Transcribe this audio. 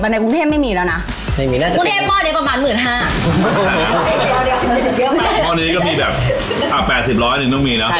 นิดเดียวเอง